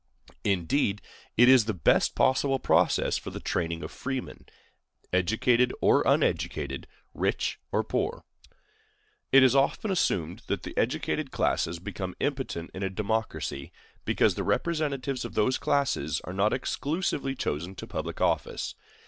Indeed, it is the best possible process for the training of freemen, educated or uneducated, rich or poor.It is often assumed that the educated classes become impotent in a democracy, because the representatives of those classes are not exclusively chosen to public office.